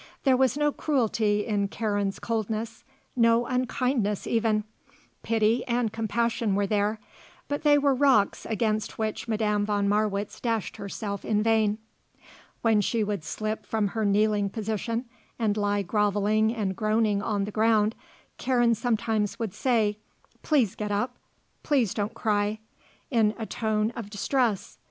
There was no cruelty in Karen's coldness, no unkindness even. Pity and comprehension were there; but they were rocks against which Madame von Marwitz dashed herself in vain. When she would slip from her kneeling position and lie grovelling and groaning on the ground, Karen sometimes would say: "Please get up. Please don't cry," in a tone of distress.